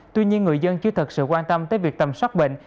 tuy nhiên người dân chưa thật sự quan tâm tới việc tầm soát bệnh